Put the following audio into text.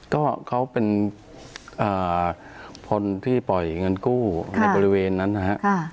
ก็เขาเป็นอ่าพลที่ปล่อยเงินกู้ค่ะในบริเวณนั้นนะฮะค่ะ